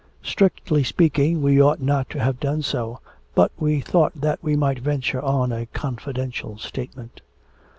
'Strictly speaking we ought not to have done so, but we thought that we might venture on a confidential statement.'